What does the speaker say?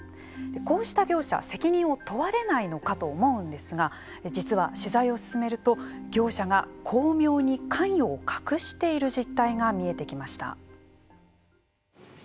こうした業者は責任を問われないのかと思うんですが実は、取材を進めると業者が巧妙に関与を隠している実態が見えてきました。